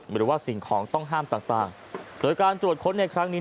หรือว่าสิ่งของต้องห้ามต่างต่างโดยการตรวจค้นในครั้งนี้